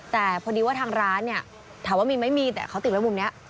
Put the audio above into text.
แต่พอดีว่าทางร้านเนี่ยถามว่ามีไหมมีแต่เขาติดไว้มุมนี้